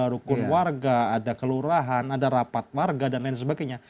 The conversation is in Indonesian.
rukun warga ada kelurahan ada rapat warga dan lain sebagainya